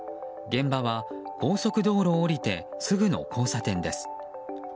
現場は高速道路を降りてすぐの交差点です。